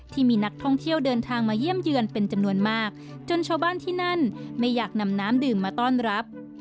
ที่มีนักท่องเที่ยวเดินทางมาเยี่ยมเยือนเป็นจำนวนมากจนชาวบ้านที่นั่นไม่อยากนำน้ำดื่มมาต้อนรับ